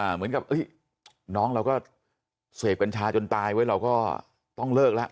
เหมือนกับน้องเราก็เสพกัญชาจนตายไว้เราก็ต้องเลิกแล้ว